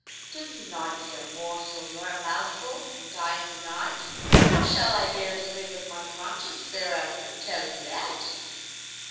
Do you not eat a morsel nor a mouthful, and die in the night, how shall I bear to live with my conscience thereafter, tell me that?"